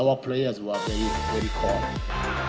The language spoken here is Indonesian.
tapi pemain kita sangat keras